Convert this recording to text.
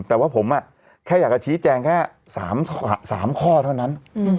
แต่ว่าผมแค่อยากจะชี้แจงแค่๓ข้อเท่านั้น